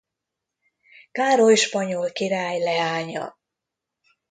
Károly spanyol király leánya.